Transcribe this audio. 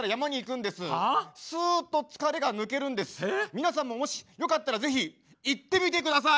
みなさんももしよかったらぜひ行ってみて下さい。